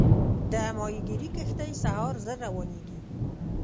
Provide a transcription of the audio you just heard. د ماهیګیري کښتۍ سهار زر روانېږي.